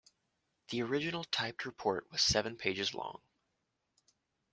The original typed report was seven pages long.